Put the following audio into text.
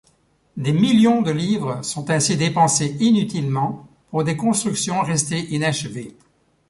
Des millions de livres sont ainsi dépensés inutilement pour des constructions restées inachevées.